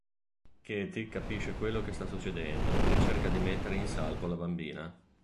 Katie capisce quello che sta succedendo e cerca di mettere in salvo la bambina.